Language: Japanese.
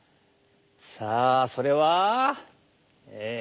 さあそれはえ。